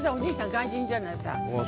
外国人じゃないさ。